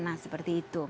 nah seperti itu